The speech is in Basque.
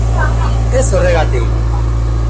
Ez horregatik!